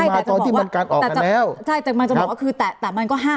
เพิ่งมาตอนที่มันกัดออกกันแล้วใช่แต่มันจะบอกว่าคือแต่แต่มันก็ห้า